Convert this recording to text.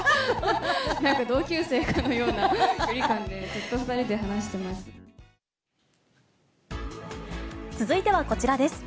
なんか同級生かのような距離感で、続いてはこちらです。